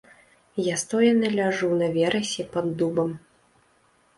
Я стоена ляжу на верасе пад дубам.